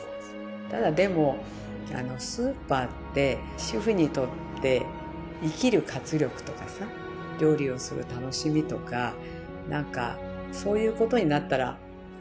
ただでもスーパーって主婦にとって生きる活力とかさ料理をする楽しみとかなんかそういうことになったらすてきですね。